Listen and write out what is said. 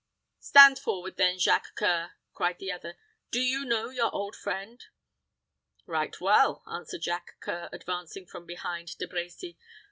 "Stand forward, then, Jacques C[oe]ur," cried the other. "Do you know your old friend?" "Right well," answered Jacques C[oe]ur, advancing from behind De Brecy.